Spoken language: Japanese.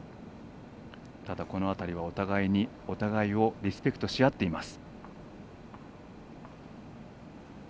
ただ、この辺りはお互いをリスペクトし合っています。